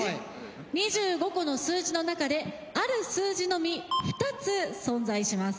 ２５個の数字の中である数字のみ２つ存在します。